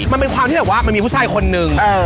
มันเป็นความที่แบบว่ามันมีผู้ชายคนนึง